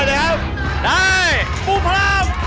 ได้นะครับ